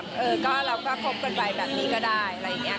กดอย่างวัยจริงเห็นพี่แอนทองผสมเจ้าหญิงแห่งโมงการบันเทิงไทยวัยที่สุดค่ะ